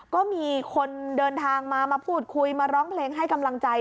ก็มีคนเดินทางมามาพูดคุยมาร้องเพลงให้กำลังใจ